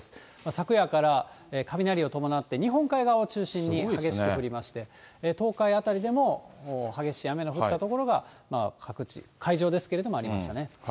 昨夜から雷を伴って、日本海側を中心に激しく降りまして、東海辺りでも激しい雨の降った所が、各地、海上ですけれども、ありましたね。